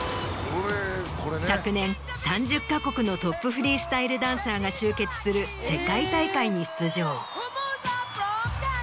昨年３０か国のトップフリースタイルダンサーが集結する世界大会に出場。